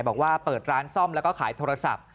บอกว่าเปิดร้านซ่อมแล้วก็ขายโทรศัพท์